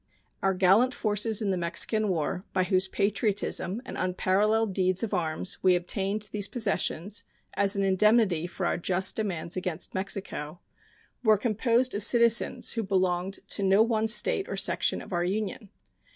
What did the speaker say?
Our gallant forces in the Mexican war, by whose patriotism and unparalleled deeds of arms we obtained these possessions as an indemnity for our just demands against Mexico, were composed of citizens who belonged to no one State or section of our Union.